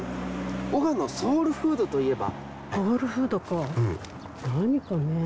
男鹿のソウルフード」といえば？